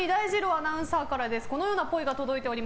アナウンサーから。